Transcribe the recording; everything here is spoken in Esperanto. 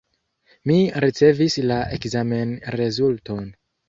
Mi ricevis la ekzamenrezulton.